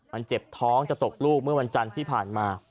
มันเจ็บท้องจะตกลูกเมื่อวันจันทร์ที่ผ่านมา